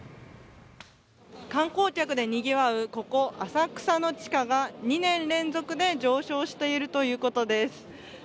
観光客でにぎわうここ、浅草の地価が２年連続で上昇しているということです。